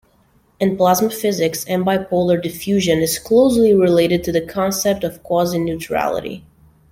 In plasma physics, ambipolar diffusion is closely related to the concept of quasineutrality.